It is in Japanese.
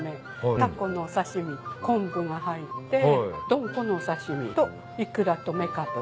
タコのお刺し身昆布が入ってどんこのお刺し身とイクラとめかぶ。